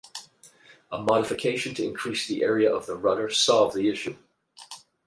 A modification to increase the area of the rudder solved the issue.